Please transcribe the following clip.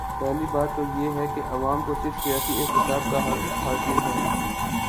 پہلی بات تو یہ ہے کہ عوام کو صرف سیاسی احتساب کا حق حاصل ہے۔